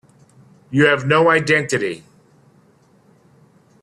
You have no identity.